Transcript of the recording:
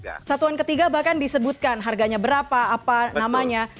satuan ketiga bahkan disebutkan harganya berapa apa namanya